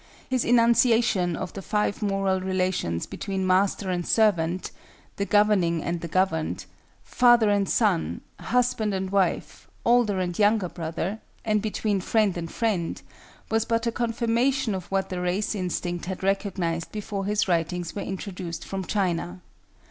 His enunciation of the five moral relations between master and servant (the governing and the governed), father and son, husband and wife, older and younger brother, and between friend and friend, was but a confirmation of what the race instinct had recognized before his writings were introduced from China.